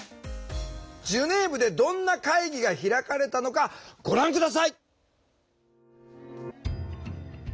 ジュネーブでどんな会議が開かれたのかご覧下さい。